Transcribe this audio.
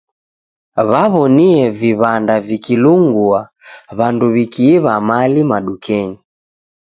W'aw'onie iw'anda vikilungua, w'andu w'ikiiw'a mali madukenyi.